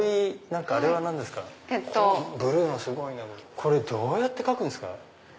これどうやって描くんすか？